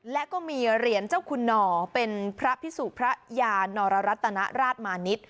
และก็มีเหรียญเจ้าคุณหน่อเป็นพระพิสุพระยานรัตนราชมานิษฐ์